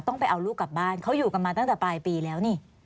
ต้องไปเอาลูกกลับบ้านเขาอยู่กันมาตั้งแต่ปลายปีแล้วนี่